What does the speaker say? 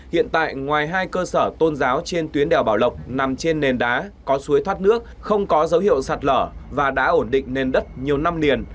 hiện tại ngoài hai cơ sở tôn giáo trên tuyến đèo bảo lộc nằm trên nền đá có suối thoát nước không có dấu hiệu sạt lở và đã ổn định nền đất nhiều năm liền